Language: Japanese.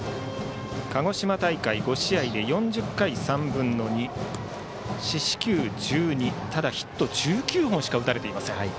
鹿児島大会５試合で４０回３分の２四死球１２、ただヒットは１９本しか打たれていません。